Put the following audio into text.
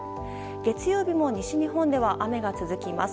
月曜日も西日本では雨が続きます。